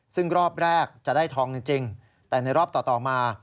ซึ่งรอบแรกจะได้ทองจริงแต่ในรอบต่อมา